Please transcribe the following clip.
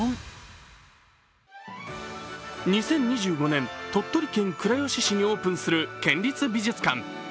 ２０２５年、鳥取県倉吉市にオープンする県立美術館。